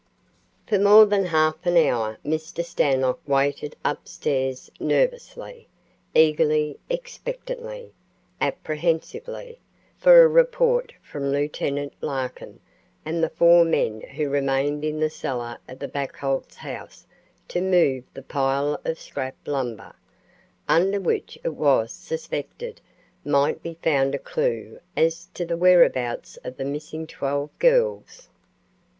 For more than half an hour Mr. Stanlock waited upstairs nervously, eagerly, expectantly, apprehensively, for a report from Lieut. Larkin and the four men who remained in the cellar of the Buchholz house to move the pile of scrap lumber, under which it was suspected might be found a clew as to the whereabouts of the missing twelve girls.